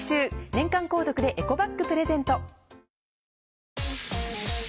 年間購読でエコバッグプレゼント。